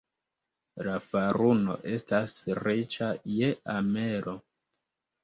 La faruno estas riĉa je amelo.